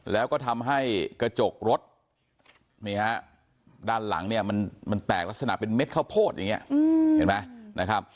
แล้วก็ทำให้กระจกรถนี่ฮะด้านหลังเนี่ยมันแตกลักษณะเป็นเม็ดข้าวโพดอย่างนี้เห็นไหมนะครับ